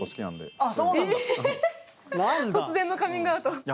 突然のカミングアウト。